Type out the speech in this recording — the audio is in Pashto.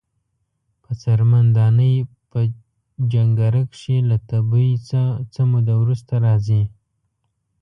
په څرمن دانی په جنکره کښی له تبی څه موده وروسته راځی۔